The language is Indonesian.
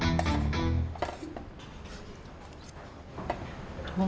tidur tidur tidur